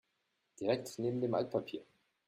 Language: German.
Direkt neben dem Altpapier.